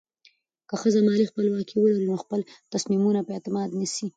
که ښځه مالي خپلواکي ولري، نو خپل تصمیمونه په اعتماد نیسي.